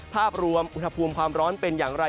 ภาพรวมอุณหภูมิความร้อนเป็นอย่างไร